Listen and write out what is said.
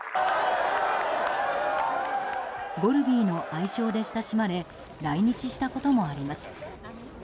ゴルビーの愛称で親しまれ来日したこともあります。